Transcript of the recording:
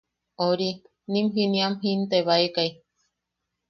Ori, nim jiniam jintebaekai.